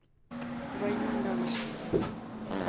Raymond Davis Jr.